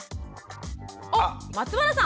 あっ松原さん。